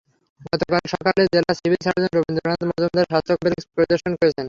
গতকাল সকালে জেলা সিভিল সার্জন রথীন্দ্রনাথ মজুমদার স্বাস্থ্য কমপ্লেক্স পরিদর্শন করেছেন।